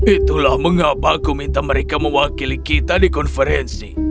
itulah mengapa aku minta mereka mewakili kita di konferensi